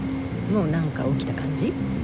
もうなんか起きた感じ？